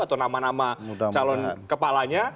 atau nama nama calon kepalanya